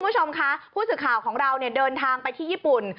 คุณผู้ชมคะผู้สื่อข่าวของเราเดินทางไปที่ญี่ปุ่น